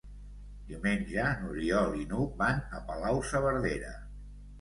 Diumenge n'Oriol i n'Hug van a Palau-saverdera.